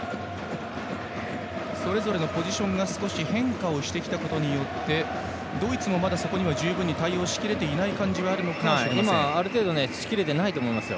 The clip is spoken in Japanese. それぞれのポジションが少し変化をしてきたことによってドイツもまだ十分に対応しきれてない感じがあるのかもしれません。